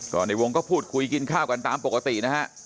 ก็ในวงก็พูดคุยกินข้าวกันตามปกตินะฮะ